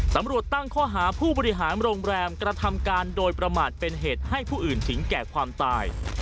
ตำรวจตั้งข้อหาผู้บริหารโรงแรมกระทำการโดยประมาทเป็นเหตุให้ผู้อื่นถึงแก่ความตาย